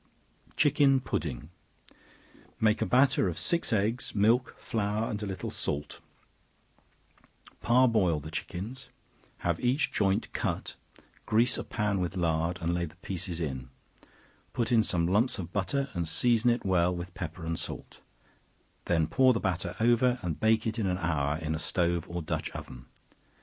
Chicken Pudding. Make a batter of six eggs, milk, flour and a little salt; par boil the chickens; have each joint cut, grease a pan with lard, and lay the pieces in; put in some lumps of butter, and season it well with pepper and salt; then pour the batter over, and bake it an hour, in a stove or dutch oven.